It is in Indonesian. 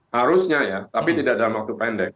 harusnya ya tapi tidak dalam waktu pendek